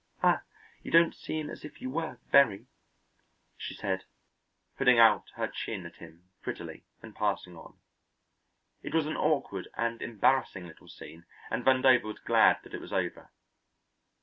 "Ah, you don't seem as if you were, very," she said, putting out her chin at him prettily and passing on. It was an awkward and embarrassing little scene and Vandover was glad that it was over.